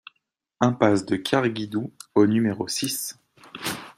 Impasse de Kerguidoue au numéro six